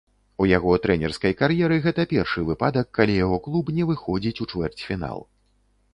У яго трэнерскай кар'еры, гэта першы выпадак, калі яго клуб не выходзіць у чвэрцьфінал.